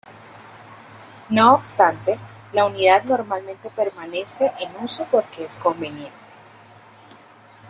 No obstante, la unidad normalmente permanece en uso porque es conveniente.